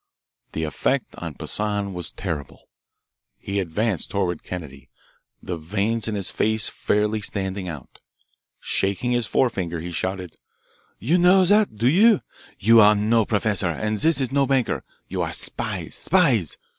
The effect on Poissan was terrible. He advanced toward Kennedy, the veins in his face fairly standing out. Shaking his forefinger, he shouted: "You know that, do you? You are no professor, and this is no banker. You are spies, spies.